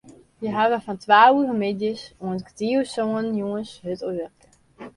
Hja hawwe fan twa oere middeis oant kertier oer sânen jûns hurd wurke.